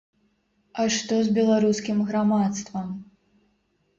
А што з беларускім грамадствам?